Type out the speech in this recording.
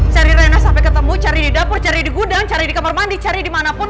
cari rena sampai ketemu cari di dapur cari di gudang cari di kamar mandi cari dimanapun